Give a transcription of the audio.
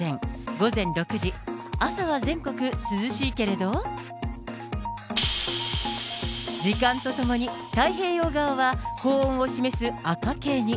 午前６時、朝は全国涼しいけれど、時間とともに太平洋側は高温を示す赤系に。